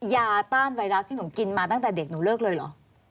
ต้านไวรัสที่หนูกินมาตั้งแต่เด็กหนูเลิกเลยเหรอ